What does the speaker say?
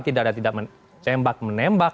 tidak ada tidak menembak menembak